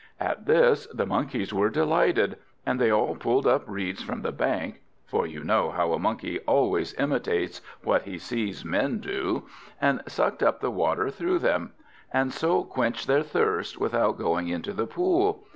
At this the Monkeys were delighted, and they all pulled up reeds from the bank (for you know a monkey always imitates what he sees men do), and sucked up the water through them, and so quenched their thirst without going into the pool.